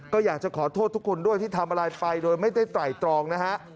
ก็อยากจะขอโทษทุกคนด้วยที่ทำอะไรไปโดยไม่ได้ไตรตรองนะฮะ